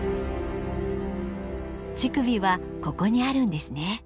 乳首はここにあるんですね。